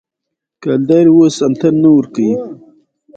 ازادي راډیو د روغتیا په اړه د عبرت کیسې خبر کړي.